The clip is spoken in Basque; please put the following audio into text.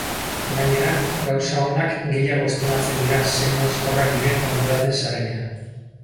Gainera, gauza onak gehiago estimatzen dira zein hauskorrak diren konturatzen zarenean.